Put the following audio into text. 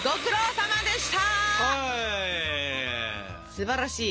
すばらしい。